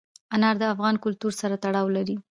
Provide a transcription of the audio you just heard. انار د افغان کلتور سره تړاو لري.